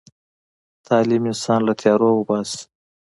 تعلیم انسان له تیارو وباسي.